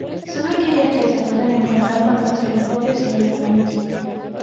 Son aquellas que se pueden encontrar con los telescopios ordinarios.